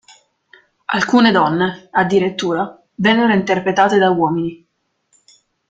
Alcune donne, addirittura, vennero interpretate da uomini.